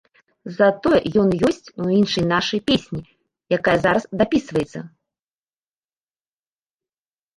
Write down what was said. Затое ён ёсць у іншай нашай песні, якая зараз дапісваецца.